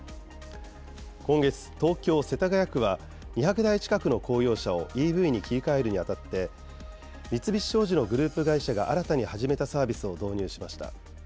今月、東京・世田谷区は、２００台近くの公用車をＥＶに切り替えるにあたって、三菱商事のグループ会社が新たに始めたサービスを導入しました。